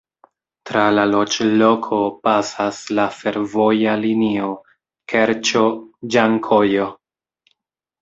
Tra la loĝloko pasas la fervoja linio Kerĉo-Ĝankojo.